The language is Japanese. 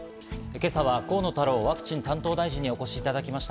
今朝は河野太郎ワクチン担当大臣にお越しいただきました。